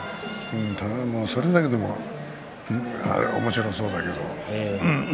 それだけでもおもしろそうだけど。